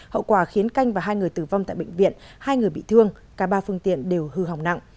hậu quả khiến canh và hai người tử vong tại bệnh viện hai người bị thương cả ba phương tiện đều hư hỏng nặng